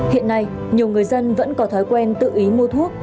hiện nay nhiều người dân vẫn có thói quen tự ý mua thuốc